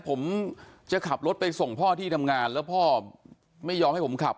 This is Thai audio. ผมจะขับรถไปส่งพ่อที่ทำงานแล้วพ่อไม่ยอมให้ผมขับ